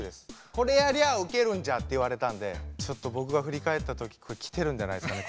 「これやりゃウケるんじゃ」って言われたんでちょっと僕が振り返った時きてるんじゃないですかね